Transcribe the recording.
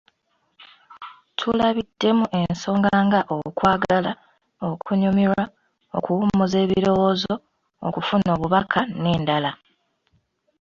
Tulabiddemu ensonga nga okwagala , okunyumirwa, okuwummuza ebirowoozo, okufuna obubaka n’endala.